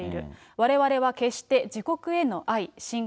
われわれは決して自国への愛、しん